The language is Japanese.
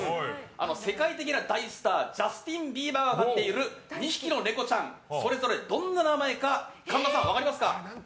世界的な大スタージャスティン・ビーバーが飼っている２匹のネコちゃんそれぞれどんな名前か神田さん、分かりますか？